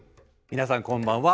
皆さんこんばんは。